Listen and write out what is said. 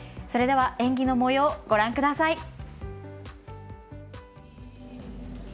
それでは演技のもようご覧ください。